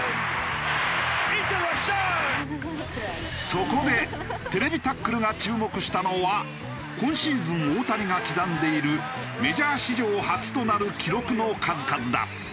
そこで『ＴＶタックル』が注目したのは今シーズン大谷が刻んでいるメジャー史上初となる記録の数々だ。